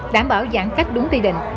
đảm bảo giãn khắc đúng quy định